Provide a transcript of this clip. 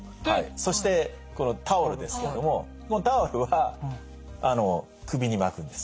そしてこのタオルですけれどももうタオルは首に巻くんです。